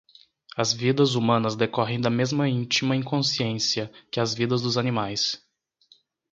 As vidas humanas decorrem da mesma íntima inconsciência que as vidas dos animais.